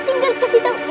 tinggal kasih tahu